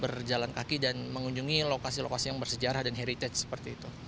berjalan kaki dan mengunjungi lokasi lokasi yang bersejarah dan heritage seperti itu